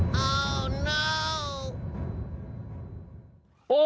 นะโน้ว